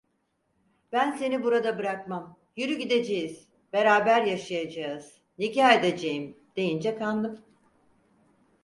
Ben seni burada bırakmam, yürü gideceğiz, beraber yaşayacağız. Nikah edeceğim! deyince kandım.